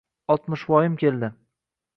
Oltmishvoyim keldi.